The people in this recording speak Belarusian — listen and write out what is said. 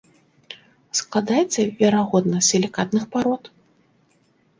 Складаецца верагодна з сілікатных парод.